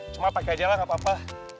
cuma pakai aja lah nggak apa apa